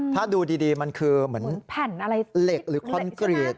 ถ้าดูดีมันคือเหมือนเหล็กหรือคอนเกรียร์